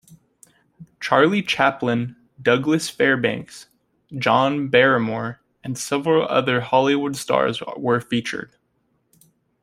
Charlie Chaplin, Douglas Fairbanks, John Barrymore, and several other Hollywood stars were featured.